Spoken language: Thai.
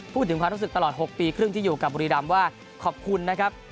พูดถึงความรู้สึกตลอด๖ปีครึ่งที่อยู่กับบุรีรำว่าขอบคุณนะครับ